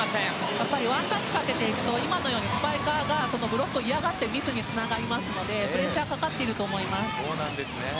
やっぱりワンタッチかけていくと今のようにスパイカーがブロックを嫌がってミスにつながりますのでプレッシャーかかっていると思います。